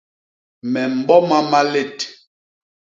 Me mboma malét.